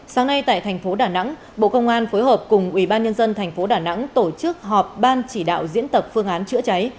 sáng nay tại thành phố đà nẵng bộ công an phối hợp cùng ủy ban nhân dân thành phố đà nẵng tổ chức họp ban chỉ đạo diễn tập phương án chữa cháy